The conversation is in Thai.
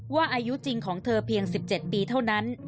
อายุจริงของเธอเพียง๑๗ปีเท่านั้น